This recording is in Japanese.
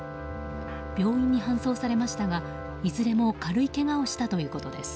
病院に搬送されましたがいずれも軽いけがをしたということです。